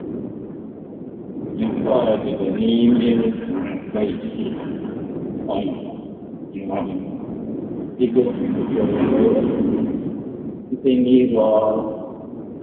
Nke ọdụdụ n'ime ụmụaka isii, ọ mụtara ngwa ngwa igosipụta onwe ya site n'ịrụ ọrụ.